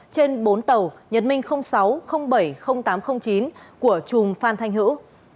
trên bốn tàu nhật minh sáu bảy tám chín của trùng phan thanh hữu